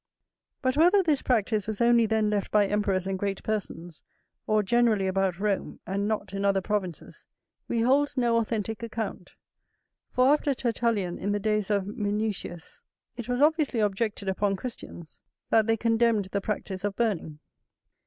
But whether this practice was only then left by emperors and great persons, or generally about Rome, and not in other provinces, we hold no authentic account; for after Tertullian, in the days of Minucius, it was obviously objected upon Christians, that they condemned the practice of burning.